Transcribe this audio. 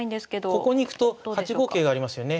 ここに行くと８五桂がありますよね。